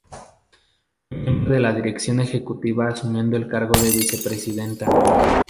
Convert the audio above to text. Fue miembro de la dirección ejecutiva asumiendo el cargo de vicepresidenta.